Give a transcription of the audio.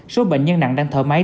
số bệnh nhân nặng đang thở máy